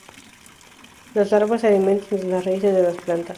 Las larvas se alimentan de las raíces de las plantas.